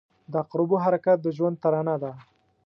• د عقربو حرکت د ژوند ترانه ده.